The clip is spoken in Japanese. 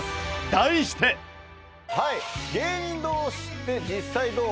題してはい「芸人同士って実際どう？」